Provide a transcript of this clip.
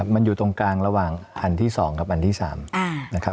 มันอยู่ตรงกลางระหว่างอันที่๒กับอันที่๓นะครับ